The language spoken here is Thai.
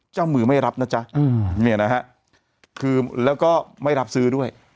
เจ้ามือไม่รับนะจ๊ะเนี่ยนะฮะคือแล้วก็ไม่รับซื้อด้วย